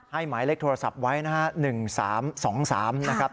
หมายเลขโทรศัพท์ไว้นะฮะ๑๓๒๓นะครับ